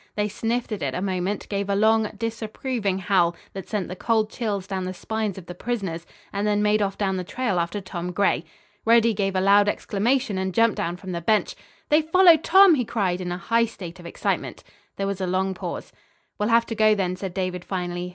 They sniffed at it a moment, gave a long, disapproving howl, that sent the cold chills down the spines of the prisoners, and then made off down the trail after Tom Gray. Reddy gave a loud exclamation and jumped down from the bench. "They have followed Tom!" he cried, in a high state of excitement. There was a long pause. "We'll have to go, then," said David finally.